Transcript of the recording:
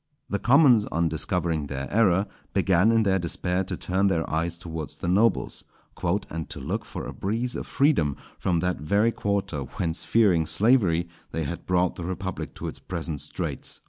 The commons, on discovering their error, began in their despair to turn their eyes towards the nobles, "_and to look for a breeze of freedom from that very quarter whence fearing slavery they had brought the republic to its present straits.